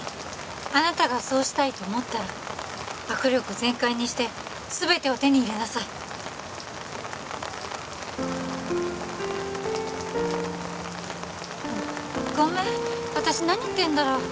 あなたがそうしたいと思ったら握力全開にして全てを手に入れなさいあっごめん私何言ってんだろう